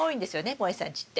もえさんちって。